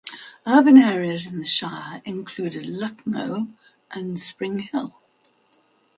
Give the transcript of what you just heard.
Urban areas in the shire included Lucknow and Spring Hill.